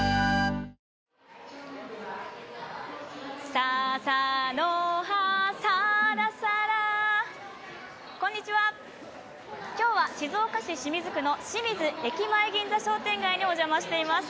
ささの葉、さらさらこんにちは、今日は静岡市清水区の清水駅前銀座商店街にお邪魔しています。